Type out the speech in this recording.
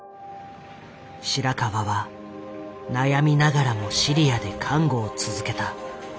白川は悩みながらもシリアで看護を続けた。